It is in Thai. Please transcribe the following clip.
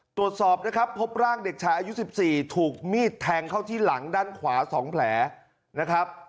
ตรวจสอบนะครับพบร่างเด็กชายอายุ๑๔ถูกมีดแทงเข้าที่หลังด้านขวา๒แผลนะครับ